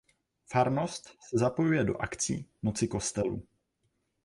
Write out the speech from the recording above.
Farnost se zapojuje do akcí Noci kostelů.